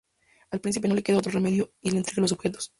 Al príncipe no le queda otro remedio y le entrega los Objetos.